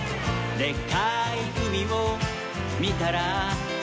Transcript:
「でっかいうみをみたら」